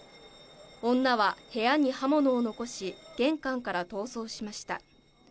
女は部屋に刃物を残し、玄関から逃走しました。